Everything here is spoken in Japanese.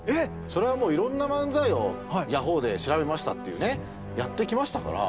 それはもういろんな漫才を「ヤホーで調べました」っていうねやってきましたから。